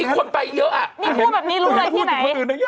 คั่วแบบนี้รู้ไหมที่ไหน